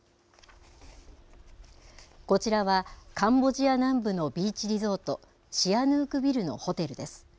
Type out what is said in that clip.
こちらはカンボジア南部のビーチリゾート、シアヌークビルのホテルです。